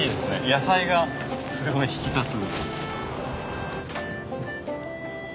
野菜がすごい引き立つ。